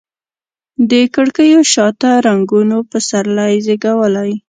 د کړکېو شاته رنګونو پسرلي زیږولي